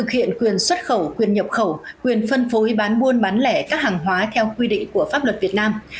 quyền xuất khẩu quyền nhập khẩu quyền phân phối bán buôn bán lẻ các hàng hóa theo quy định của pháp luật việt nam